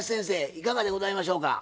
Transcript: いかがでございましょうか？